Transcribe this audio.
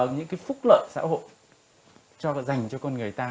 những cái phúc lợi xã hội dành cho con người ta